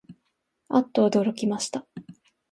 あっとおどろきました